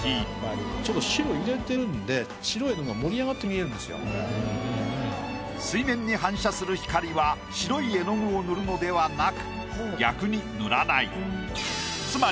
ちょっと水面に反射する光は白い絵の具を塗るのではなく逆に塗らない。